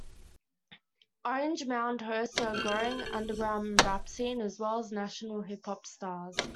Orange Mound hosts a growing underground rap scene as well as national hip-hop stars.